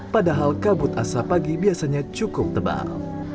padahal kabut asap pagi biasanya cukup tebal